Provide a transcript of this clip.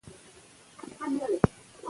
که علم په پښتو وي، نو د علم غوڅۍ به زندې سي.